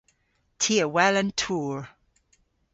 Ty a wel an tour.